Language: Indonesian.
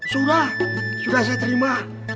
sudah sudah saya terima